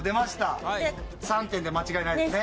３点で間違いないですね？